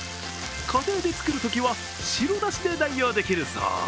家庭で作るときは白だしで代用できるそう。